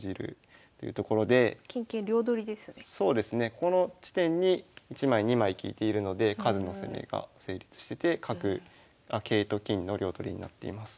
この地点に１枚２枚利いているので数の攻めが成立してて桂と金の両取りになっています。